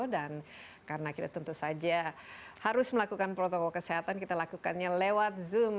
dan karena kita tentu saja harus melakukan protokol kesehatan kita lakukannya lewat zoom